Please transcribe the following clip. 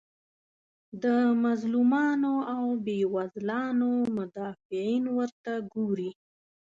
د مظلومانو او بیوزلانو مدافعین ورته ګوري.